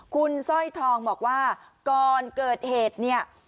คุณสร้อยทองบอกว่าก่อนเกิดเหตุเนี่ย